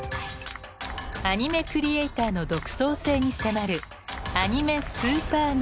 アニメクリエーターの独創性に迫る